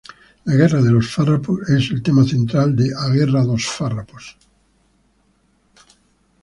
La Guerra de los Farrapos es el tema central de "A Guerra dos Farrapos".